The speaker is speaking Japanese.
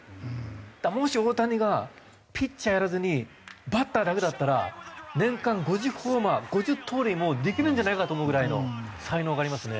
もし大谷がピッチャーやらずにバッターだけだったら年間５０ホーマー５０盗塁もできるんじゃないかと思うぐらいの才能がありますね。